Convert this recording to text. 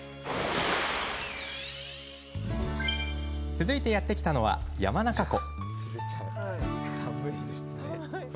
続いてやって来たのは、山中湖。